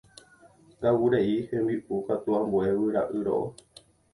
Kavureʼi hembiʼu katu ambue guyraʼi roʼo.